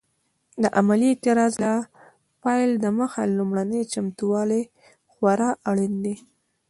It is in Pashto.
د عملي اعتراض له پیل دمخه لومړني چمتووالي خورا اړین دي.